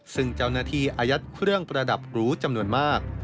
ซึ่งเจ้าหน้าที่อายัดเครื่องประดับหรูจำนวนมาก